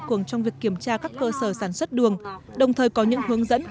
cường trong việc kiểm tra các cơ sở sản xuất đường đồng thời có những hướng dẫn